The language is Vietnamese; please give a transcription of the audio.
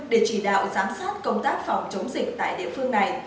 để chỉ đạo giám sát công tác phòng chống dịch tại địa phương này